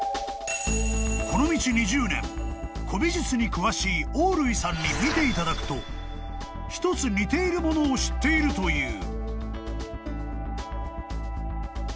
［古美術に詳しい大類さんに見ていただくと１つ似ているものを知っているという］